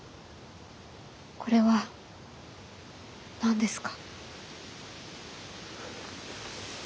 これは何ですか？